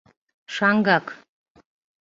Шаҥгак...